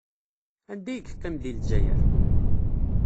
Anda ay yeqqim deg Lezzayer?